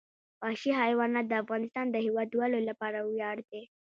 وحشي حیوانات د افغانستان د هیوادوالو لپاره ویاړ دی.